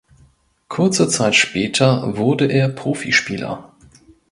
Kurze Zeit später wurde er Profispieler.